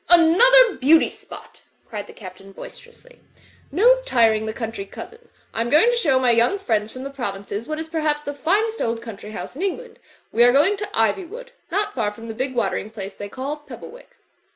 ''Another beauty spot!" cried the Captain, boister ously, '*no tiring the country cousin! I am going to show my young friends from the provinces what is perhaps the finest old coimtry house in England. We are going to Iv)rwood, not far from that big water ing place they call Pebblewick."